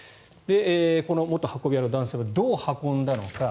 この元運び屋の男性はどう運んだのか。